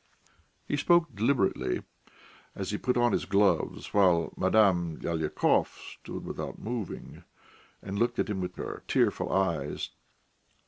He spoke deliberately as he put on his gloves, while Madame Lyalikov stood without moving, and looked at him with her tearful eyes.